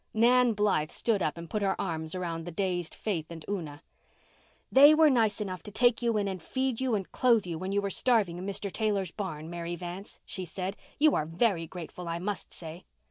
Nan Blythe stood up and put her arms around the dazed Faith and Una. "They were nice enough to take you in and feed you and clothe you when you were starving in Mr. Taylor's barn, Mary Vance," she said. "You are very grateful, I must say."